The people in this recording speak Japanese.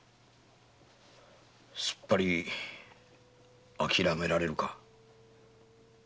すっぱり諦められるか？